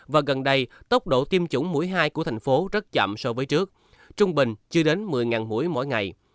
và gần đây tốc độ tiêm chủng mũi hai của thành phố rất chậm so với trước trung bình chưa đến một mươi mũi mỗi ngày